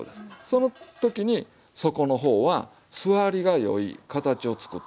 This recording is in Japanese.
その時に底の方は据わりが良い形を作っとかんと。